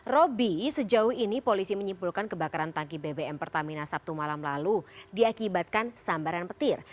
robi sejauh ini polisi menyimpulkan kebakaran tangki bbm pertamina sabtu malam lalu diakibatkan sambaran petir